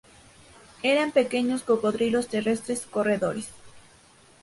Eran pequeños cocodrilos terrestres corredores.